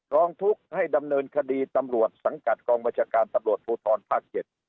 ร้องทุกข์ให้ดำเนินคดีตำรวจสังกัดกองบัญชาการตำรวจภูทรภาค๗